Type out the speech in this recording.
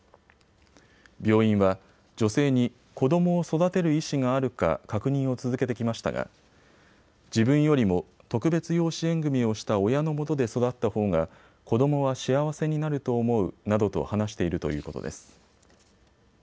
病院は女性に子どもを育てる意思があるか確認を続けてきましたが、自分よりも特別養子縁組をした親のもとで育ったほうが子どもは幸せになると思うなどと話しているということです。